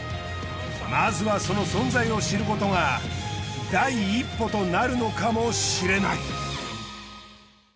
まずはその存在を知ることが第一歩となるのかもしれない。